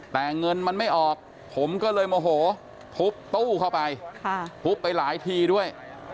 แต่เงินมันไม่ออกผมก็เลยโมโหทุบตู้เข้าไปทุบไปหลายทีด้วย